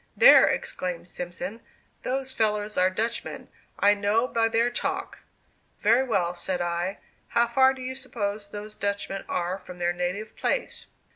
"There!" exclaimed Simpson, "those fellows are Dutchmen; I know by their talk." "Very well," said I, "how far do you suppose those Dutchmen are from their native place?"